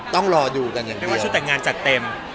ต้องรออยู่กันอย่างเดียวไม่ว่าชุดแต่งงานจัดเต็ม